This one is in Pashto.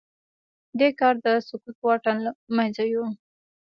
دې کار د سکوت واټن له منځه يووړ.